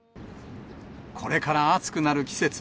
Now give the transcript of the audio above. これから暑くなる季節。